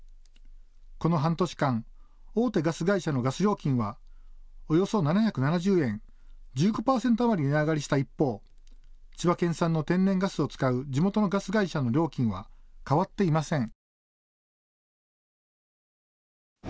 この半年間、大手ガス会社のガス料金はおよそ７７０円、１５％余り値上がりした一方、千葉県産の天然ガスを使う地元のガス会社の料金は変わっていません。